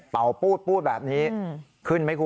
ปูดแบบนี้ขึ้นไหมคุณ